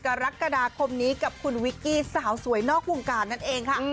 กรกฎาคมนี้กับคุณวิกกี้สาวสวยนอกวงการนั่นเองค่ะ